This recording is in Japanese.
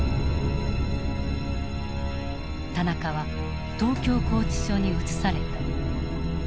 田中は東京拘置所に移された。